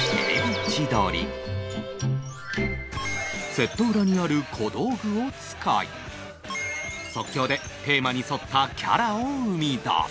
セット裏にある小道具を使い即興でテーマに沿ったキャラを生み出す